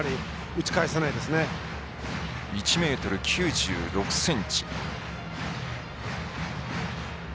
１ｍ９６ｃｍ。